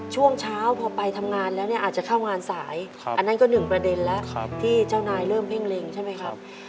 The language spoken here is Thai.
ช่วงเช้าพอไปทำงานแล้วเนี่ยอาจจะเข้างานสายอันนั้นก็หนึ่งประเด็นแล้วที่เจ้านายเริ่มเพ่งเล็งใช่ไหมครับ